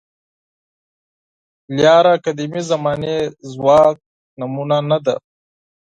لاره قدیمې زمانې ژواک نمونه نه ده.